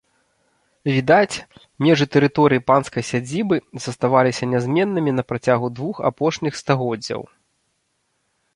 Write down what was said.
Відаць, межы тэрыторыі панскай сядзібы заставаліся нязменнымі на працягу двух апошніх стагоддзяў.